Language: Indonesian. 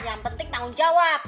yang penting tanggung jawab